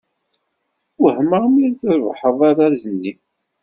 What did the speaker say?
Wehmeɣ mi d-trebḥeḍ arraz-nni.